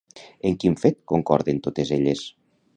En quin fet concorden totes elles?